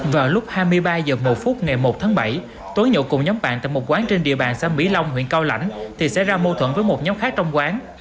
vào lúc hai mươi ba h một ngày một tháng bảy tối nhậu cùng nhóm bạn từ một quán trên địa bàn xã mỹ long huyện cao lãnh thì xảy ra mâu thuẫn với một nhóm khác trong quán